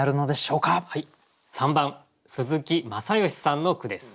３番鈴木正芳さんの句です。